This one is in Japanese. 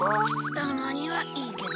たまにはいいけど。